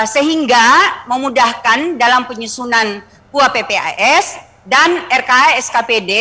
sehingga memudahkan dalam penyusunan pua ppas dan rka skpd